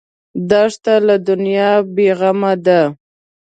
دښته له دنیا بېغمه ده.